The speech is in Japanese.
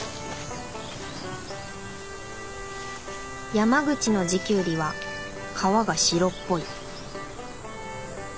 山口の地キュウリは皮が白っぽい。